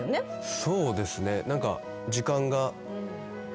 そうですね。